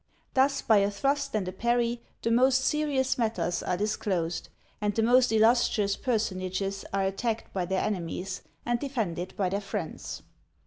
Thus, by a thrust and a parry, the most serious matters are disclosed: and the most illustrious personages are attacked by their enemies, and defended by their friends.